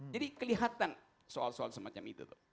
jadi kelihatan soal soal semacam itu